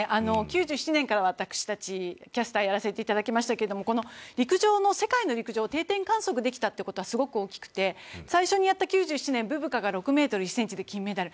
９７年から私たちキャスターやらせてもらいましたが世界の陸上を定点観察できたっていうことはすごく大きくて最初にやった９７年、ブブカが６ｍ１ｃｍで金メダル